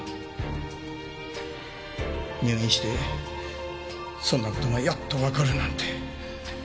入院してそんな事がやっとわかるなんて。